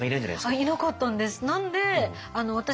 いなかったんです。